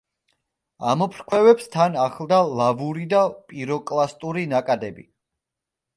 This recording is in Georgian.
ამოფრქვევებს თან ახლდა ლავური და პიროკლასტური ნაკადები.